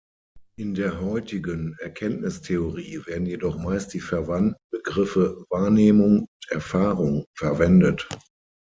In der heutigen Erkenntnistheorie werden jedoch meist die verwandten Begriffe „Wahrnehmung“ und „Erfahrung“ verwendet.